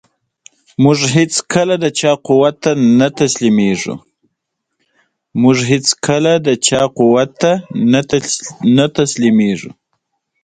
دوی به د دښمن مقابله کړې وه.